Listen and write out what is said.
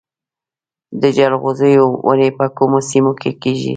د جلغوزیو ونې په کومو سیمو کې کیږي؟